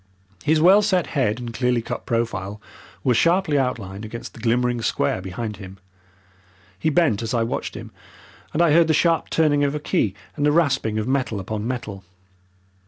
His well set head and clearly cut profile were sharply outlined against the glimmering square behind him. He bent as I watched him, and I heard the sharp turning of a key and the rasping of metal upon metal.